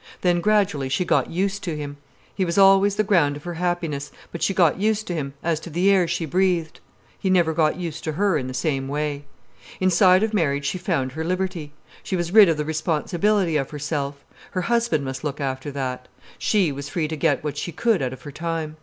Then gradually she got used to him. He always was the ground of her happiness, but she got used to him, as to the air she breathed. He never got used to her in the same way. Inside of marriage she found her liberty. She was rid of the responsibility of herself. Her husband must look after that. She was free to get what she could out of her time.